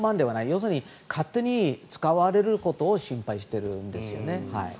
要するに勝手に使われることを心配しているんですよね。